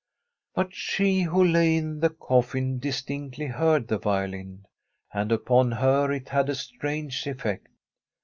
But she who lay in the coffin distinctly heard the violin, and upon her it had a strange effect.